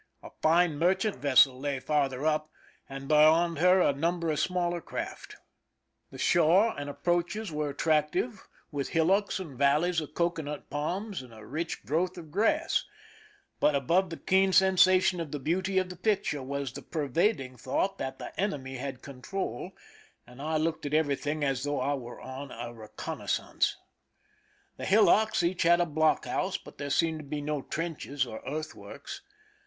A fine merchant vessel lay farther up, and beyond her a number of smaller craft. The shore 216 '*■':!.■ ^i£. ;.^ >.j0yr ' PRISON LIFE THE SIEGE and approaches were attractive, with hillocks and vaUeys of cocoanut palms and a rich growth of grass ; but above the keen sensation of the beauty of the picture was the pervading thought that the enemy held control, and I looked at everything as though I were on a reconnaissance. The hillocks each had a blockhouse, but there seemed to be no trenches or earthworks.